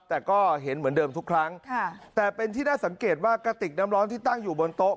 แต่ก็เห็นเหมือนเดิมทุกครั้งค่ะแต่เป็นที่น่าสังเกตว่ากระติกน้ำร้อนที่ตั้งอยู่บนโต๊ะ